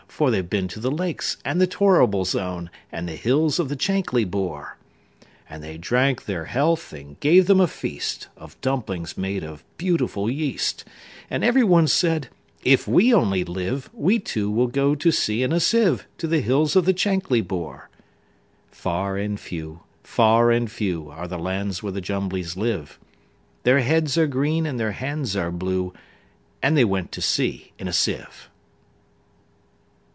For they've been to the Lakes, and the Torrible Zone, And the hills of the Chankly Bore."And they drank their health, and gave them a feastOf dumplings made of beautiful yeast; And every one said, "If we only live, We, too, will go to sea in a sieve, To the hills of the Chankly Bore."Far and few, far and few, Are the lands where the Jumblies live:Their heads are green, and their hands are blue; And they went to sea in a sieve.